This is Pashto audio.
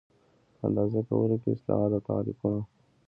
په اندازه کولو کې اصطلاحات او تعریفونه